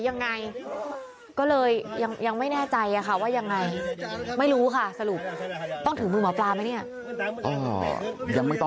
ยังไม่ต้องก็ได้ไพราวไกล